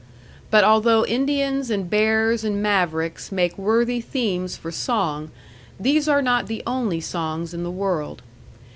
But although Indians, and bears, and mavericks, make worthy themes for song, these are not the only songs in the world.